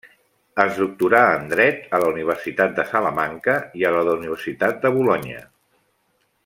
Es doctorà en Dret a la Universitat de Salamanca i a la d'Universitat de Bolonya.